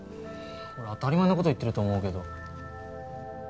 俺当たり前の事言ってると思うけど。